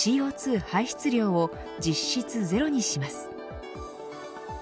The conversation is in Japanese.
ＣＯ２排出量を実質ゼロにします。